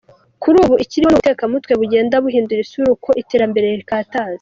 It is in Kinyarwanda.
Kuri ubu ikiriho ni ubutekamutwe bugenda buhindura isura uko iterambere rikataza.